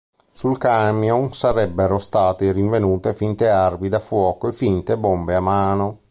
Sul camion sarebbero state rinvenute finte armi da fuoco e finte bombe a mano.